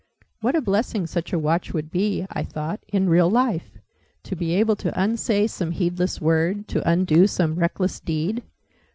"What a blessing such a watch would be," I thought, "in real life! To be able to unsay some heedless word to undo some reckless deed!